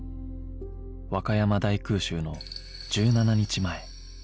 和歌山大空襲の１７日前